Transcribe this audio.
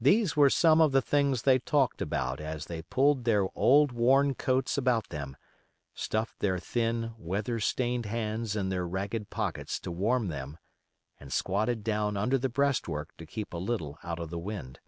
These were some of the things they talked about as they pulled their old worn coats about them, stuffed their thin, weather stained hands in their ragged pockets to warm them, and squatted down under the breastwork to keep a little out of the wind.